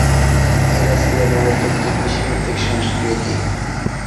এরা ছিল মূলত একটি কৃষিভিত্তিক সংস্কৃতি।